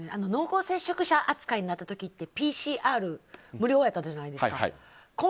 濃厚接触者扱いになった時ってＰＣＲ、無料やったやないですか。